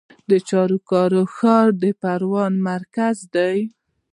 د چاریکار ښار د پروان مرکز دی